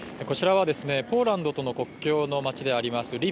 こちらはポーランドとの国境の街であります